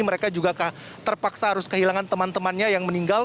mereka juga terpaksa harus kehilangan teman temannya yang meninggal